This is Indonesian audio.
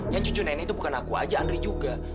yang cucu nenek itu bukan aku aja andri juga